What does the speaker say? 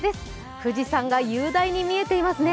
富士山が雄大に見えていますね。